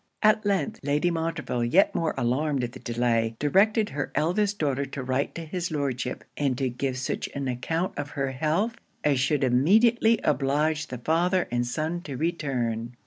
At length Lady Montreville, yet more alarmed at the delay, directed her eldest daughter to write to his Lordship, and to give such an account of her health as should immediately oblige the father and son to return.